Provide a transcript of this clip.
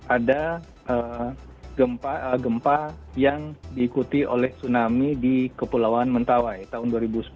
ada gempa yang diikuti oleh tsunami di kepulauan mentawai tahun dua ribu sepuluh